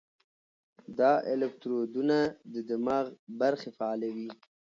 دا الکترودونه د دماغ برخې فعالوي.